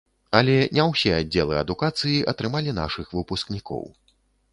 Але не ўсе аддзелы адукацыі атрымалі нашых выпускнікоў.